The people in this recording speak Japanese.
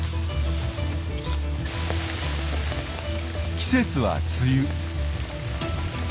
季節は梅雨。